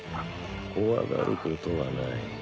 怖がることはない。